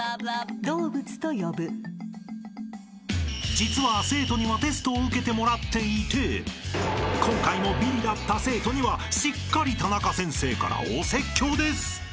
［実は生徒にはテストを受けてもらっていて今回もビリだった生徒にはしっかりタナカ先生からお説教です］